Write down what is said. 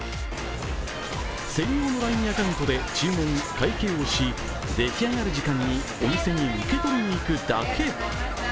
専用のＬＩＮＥアカウントで注文・会計をしできあがる時間にお店に受け取りに行くだけ。